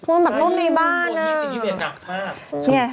ท่วมแบบร่มในบ้านอ่ะอืมสิ่งที่เปลี่ยนหนักมาก